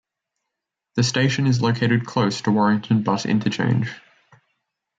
The station is located close to Warrington Bus Interchange.